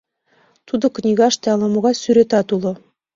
Тудо книгаште ала-могай сӱретат уло.